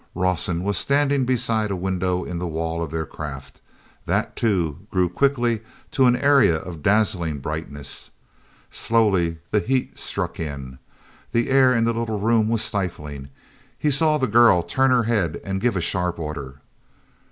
Rawson was standing beside a window in the wall of their craft. That, too, grew quickly to an area of dazzling brightness. Slowly the heat struck in. The air in the little room was stifling. He saw the girl turn her head and give a sharp order.